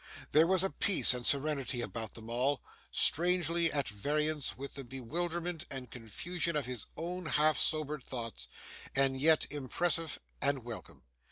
There was a peace and serenity upon them all, strangely at variance with the bewilderment and confusion of his own half sobered thoughts, and yet impressive and welcome.